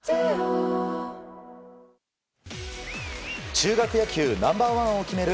中学野球ナンバー１を決める